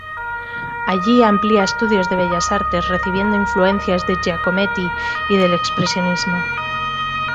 Allí amplía estudios de bellas artes, recibiendo influencias de Giacometti y del expresionismo.